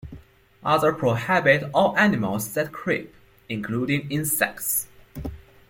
Others prohibit all animals that creep, including insects.